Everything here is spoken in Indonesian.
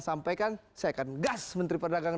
sampaikan saya akan gas menteri perdagangan